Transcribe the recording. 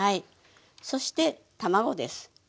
そして卵です。